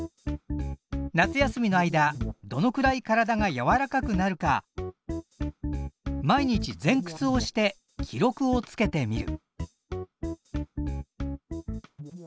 夏休みの間どのくらい体がやわらかくなるか毎日ぜんくつをして記録をつけてみる。